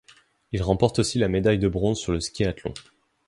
Il remporte aussi la médaille de bronze sur le skiathlon.